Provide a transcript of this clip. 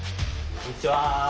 こんにちは。